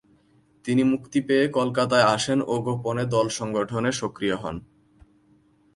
তিনি মুক্তি পেয়ে কলকাতায় আসেন ও গোপনে দল সংগঠনে সক্রিয় হন।